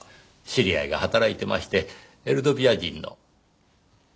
知り合いが働いてましてエルドビア人の。